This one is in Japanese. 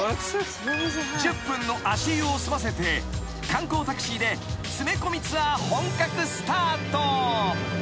［１０分の足湯を済ませて観光タクシーで詰め込みツアー本格スタート］